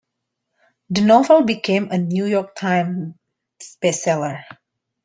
The novel became a "New York Times" bestseller.